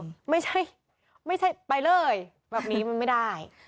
ไม่ใช่ไม่ใช่ไปเลยแบบนี้มันไม่ได้